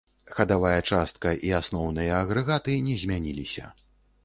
Хадавая частка і асноўныя агрэгаты не змяніліся.